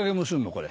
これ。